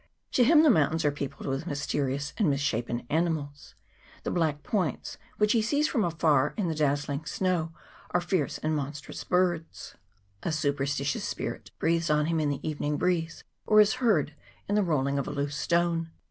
To him the mountains are peopled with mysterious and misshapen animals ; the black points, which he sees from afar in the dazzling snow, are fierce and monstrous birds ; a supernatural spi rit breathes on him in the evening breeze, or is heard in the rolling of a loose stone.